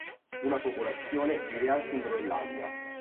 Una popolazione vive anche in Groenlandia.